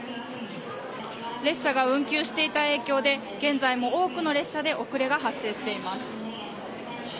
列車が運休していた影響で現在も多くの列車で遅れが発生しています。